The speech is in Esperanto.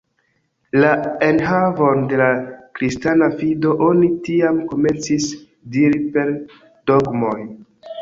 La enhavon de la kristana fido oni tiam komencis diri per dogmoj.